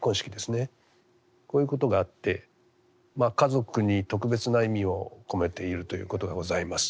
こういうことがあって家族に特別な意味を込めているということがございます。